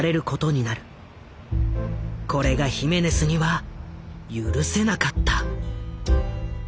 これがヒメネスには許せなかった。